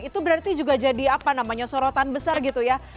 itu berarti juga jadi apa namanya sorotan besar gitu ya